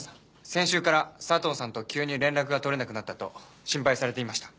先週から佐藤さんと急に連絡がとれなくなったと心配されていました。